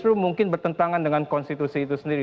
justru mungkin bertentangan dengan konstitusi itu sendiri